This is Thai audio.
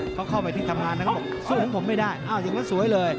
เขาเข้าไปที่ทำงานนั้นเขาบอกสู้ของผมไม่ได้อ้าวอย่างนั้นสวยเลย